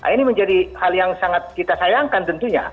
ini menjadi hal yang sangat kita sayangkan tentunya